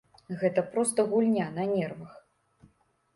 Гэта проста гульня на нервах.